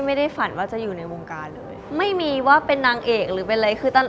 ไม่ได้ฝันว่าจะอยู่ในวงการเลยไม่มีว่าเป็นนางเอกหรือเป็นอะไรคือตลอด